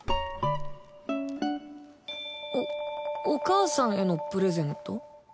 おお母さんへのプレゼント？